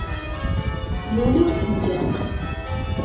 Yuli usenǧaq.